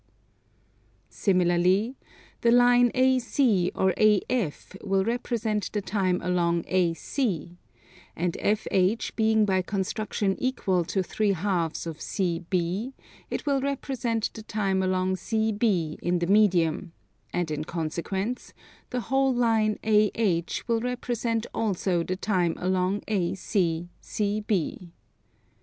Similarly the line AC or AF will represent the time along AC; and FH being by construction equal to 3/2 of CB, it will represent the time along CB in the medium; and in consequence the whole line AH will represent also the time along AC, CB.